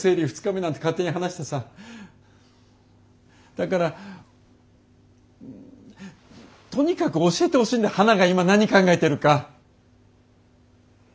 だからとにかく教えてほしいんだ花が今何考えてるか。